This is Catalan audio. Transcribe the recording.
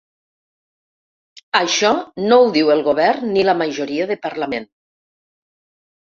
Això no ho diu el govern ni la majoria de parlament.